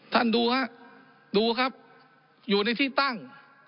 ดูฮะดูครับอยู่ในที่ตั้ง